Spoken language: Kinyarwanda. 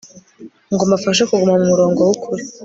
ngo mbafashe kuguma mu murongo wukuri